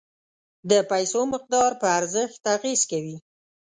د پیسو مقدار په ارزښت اغیز کوي.